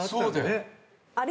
あれ？